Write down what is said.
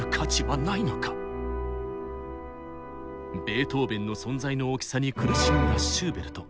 ベートーベンの存在の大きさに苦しんだシューベルト。